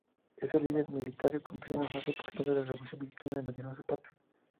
Es del líder militar y campesino más importante de la Revolución mexicana Emiliano Zapata.